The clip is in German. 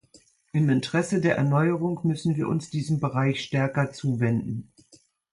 Im Interesse der Erneuerung müssen wir uns diesem Bereich stärker zuwenden.